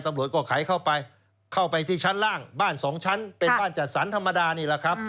ตำรวจก็ไขเข้าไปเข้าไปที่ชั้นล่างบ้านสองชั้นเป็นบ้านจัดสรรธรรมดานี่แหละครับ